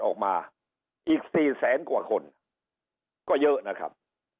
ออกมาอีก๔แสนกว่าคนก็เยอะนะครับ